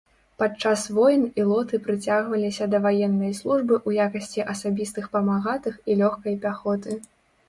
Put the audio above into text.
Падчас войн ілоты прыцягваліся да ваеннай службы ў якасці асабістых памагатых і лёгкай пяхоты.